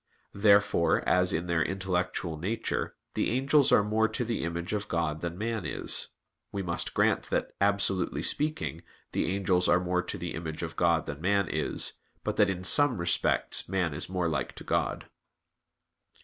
Therefore, as in their intellectual nature, the angels are more to the image of God than man is, we must grant that, absolutely speaking, the angels are more to the image of God than man is, but that in some respects man is more like to God.